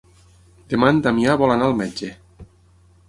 Demà en Damià vol anar al metge.